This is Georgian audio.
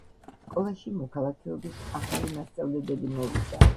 სკოლაში მოქალაქეობის ახალი მასწავლებელი მოვიდა